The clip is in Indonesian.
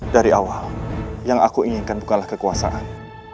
dari awal yang aku inginkan bukanlah kekuasaan